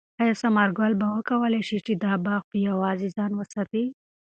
آیا ثمر ګل به وکولای شي چې دا باغ په یوازې ځان وساتي؟